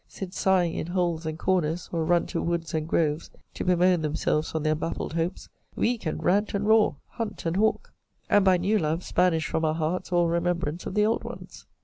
sit sighing in holes and corners, or run to woods and groves to bemoan themselves on their baffled hopes, we can rant and roar, hunt and hawk; and, by new loves, banish from our hearts all remembrance of the old ones.